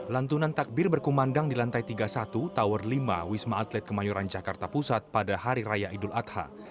lantunan takbir berkumandang di lantai tiga puluh satu tower lima wisma atlet kemayoran jakarta pusat pada hari raya idul adha